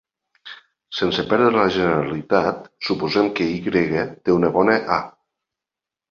Sense perdre la generalitat, suposem que Y té una bona A.